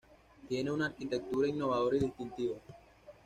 Tiene una arquitectura innovadora y distintiva.